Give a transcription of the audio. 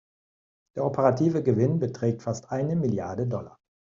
Der operative Gewinn beträgt fast eine Milliarde Dollar.